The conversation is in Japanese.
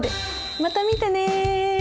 また見てね。